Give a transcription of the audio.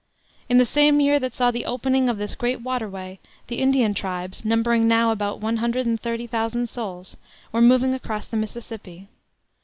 In the same year that saw the opening of this great water way, the Indian tribes, numbering now about one hundred and thirty thousand souls, were moved across the Mississippi.